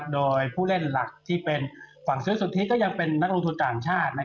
โดยผู้เล่นหลักที่เป็นฝั่งซื้อสุทธิก็ยังเป็นนักลงทุนต่างชาติ